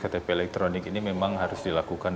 ktp elektronik ini memang harus dilakukan